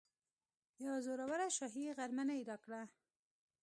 یوه زوروره شاهي غرمنۍ راکړه.